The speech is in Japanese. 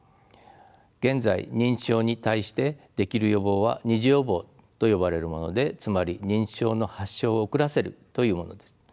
現在認知症に対してできる予防は２次予防と呼ばれるものでつまり認知症の発症を遅らせるというものです。